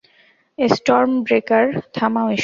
Storm breaker, থামাও এসব!